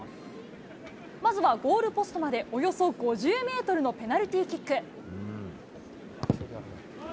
まずはゴールポストまでおよそ５０メートルのペナルティーキック。